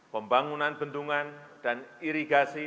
pembangunan bendungan dan irigasi